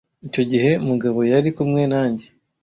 icyo gihe Mugabo yari kumwe nanjye.